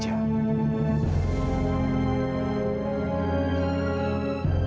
saya akan pergi